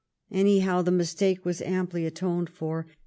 Anyhow, the mistake was amply atoned for.